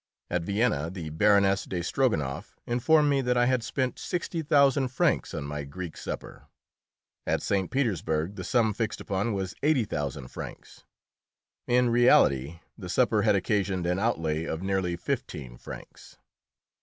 At Vienna the Baroness de Strogonoff informed me that I had spent sixty thousand francs on my Greek supper. At St. Petersburg the sum fixed upon was eighty thousand francs. In reality, the supper had occasioned an outlay of nearly fifteen francs!